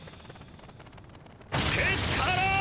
けしからん！